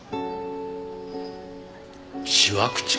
しわくちゃ？